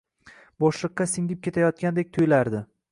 bo‘shliqqa singib ketayotgandek tuyulardi